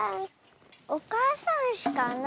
おかあさんうしかな